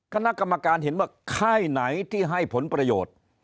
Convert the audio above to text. คณะกรรมการเห็นว่าค่ายไหนที่ให้ผลประโยชน์